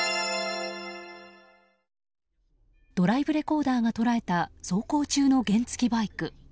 ドライブレコーダーが捉えた走行中の原付きバイク。